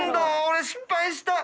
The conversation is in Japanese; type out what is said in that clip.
俺失敗した。